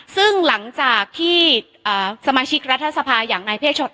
ซึ่งหลังจากที่สมาชิกรัฐสภาอย่างนายเพศช็อ